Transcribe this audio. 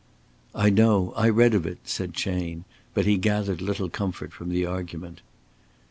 "I know. I read of it," said Chayne, but he gathered little comfort from the argument.